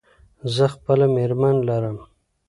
زه خپله مېرمن لرم.